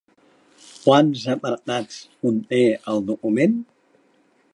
Quants apartats conté el document?